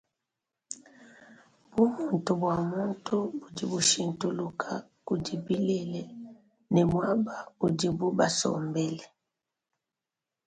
Bumuntu bua bantu budi bushintuluka kudi bilele ne muaba udibu basombele.